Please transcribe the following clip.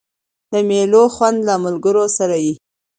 د مېلو خوند د ملګرو سره يي.